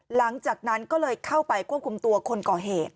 หลังจากนั้นก็เลยเข้าไปควบคุมตัวคนก่อเหตุ